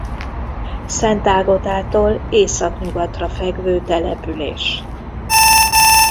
Szentágotától északnyugatra fekvő település.